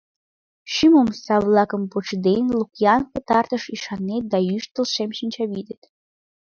Шӱм омса-влакым почеден Лук-ян пытартыш ӱшанет Да ӱштыл шем шинчавӱдет.